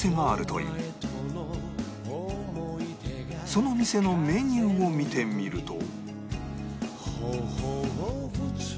その店のメニューを見てみると